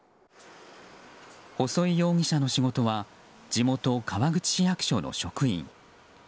細井容疑者の仕事は地元、川口市役所の職員。